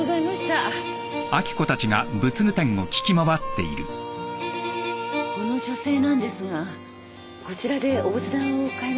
この女性なんですがこちらでお仏壇買いませんでしたか？